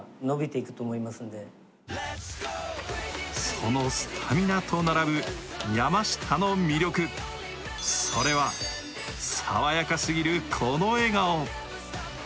そのスタミナと並ぶ山下の魅力、それは爽やかすぎる、この笑顔。